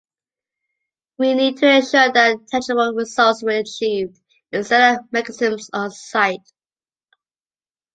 We need to ensure that tangible results are achieved in setting up mechanisms on-site.